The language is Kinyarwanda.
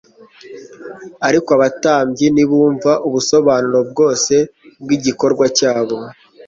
Ariko abatambyi ntibumva ubusobanuro bwose bw'igikorwa cyabo.